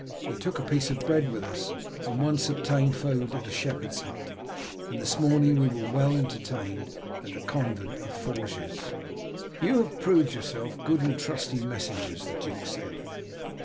"We took a piece of bread with us, and once obtained food at a shepherd's hut, and this morning we were well entertained at the convent of Forges." "You have proved yourselves good and trusty messengers," the duke said.